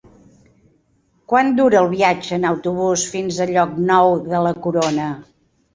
Quant dura el viatge en autobús fins a Llocnou de la Corona?